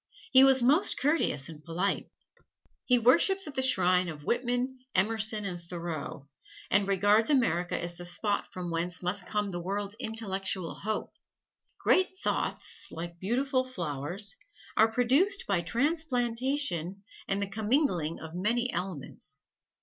He was most courteous and polite. He worships at the shrine of Whitman, Emerson and Thoreau, and regards America as the spot from whence must come the world's intellectual hope. "Great thoughts, like beautiful flowers, are produced by transplantation and the commingling of many elements."